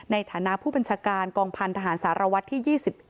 ในฐานะผู้บัญชาการกองพันธหารสารวัตรที่๒๑